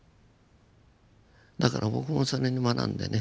だから僕もそれに学んでね